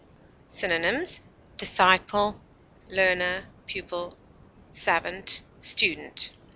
Synonyms: disciple, learner, pupil, savant, student.